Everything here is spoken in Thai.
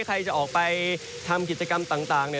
ใครจะออกไปทำกิจกรรมต่าง